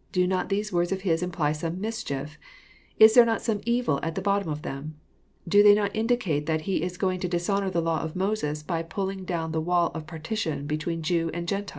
" Do not these words of his imply some mischief ? Is there not someevil~at the bottom of them ? Do they not indicate that he is going to dishonour the law of Moses by polling down the wall of partition between Jew and GentUe?"